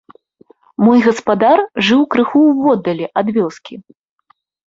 Мой гаспадар жыў крыху ўводдалі ад вёскі.